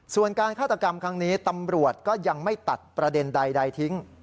ส่วนการฆาตกรรมครั้งนี้ตำรวจก็ยังไม่ตัดประเด็นใดทิ้ง